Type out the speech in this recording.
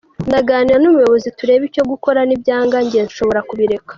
Ndaganira n’ubuyobozi turebe icyo gukora nibyanga njye nshobora kubireka.